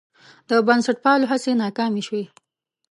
د بنسټپالو هڅې ناکامې شوې.